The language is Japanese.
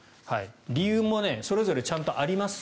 理由もそれぞれちゃんとあります。